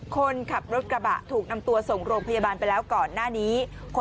คนขับรถกระบะถูกนำตัวส่งโรงพยาบาลไปแล้วก่อนหน้านี้